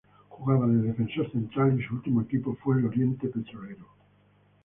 Jugaba de defensor central y su último equipo fue el Oriente Petrolero.